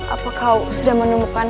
apa kau sudah menemukan